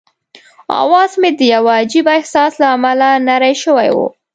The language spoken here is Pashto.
اواز مې د یوه عجيبه احساس له امله نری شوی وو.